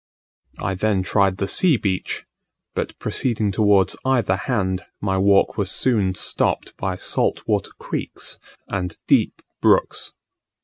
I then tried the sea beach; but proceeding towards either hand, my walk was soon stopped by salt water creeks and deep brooks.